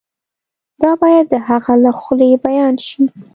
دا باید د هغه له خولې بیان شي.